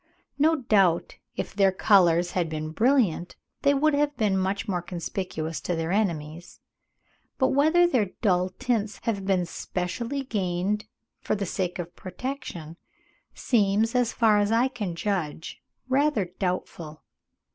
No doubt if their colours had been brilliant, they would have been much more conspicuous to their enemies; but whether their dull tints have been specially gained for the sake of protection seems, as far as I can judge, rather doubtful.